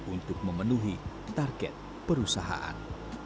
untuk memenuhi target perusahaan